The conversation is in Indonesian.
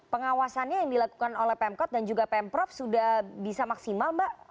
pengawasannya yang dilakukan oleh pemkot dan juga pemprov sudah bisa maksimal mbak